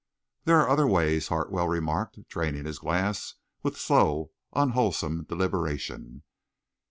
"There are other ways," Hartwell remarked, draining his glass with slow, unwholesome deliberation.